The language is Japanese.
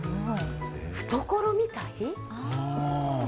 懐みたい？